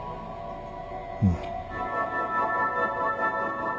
うん。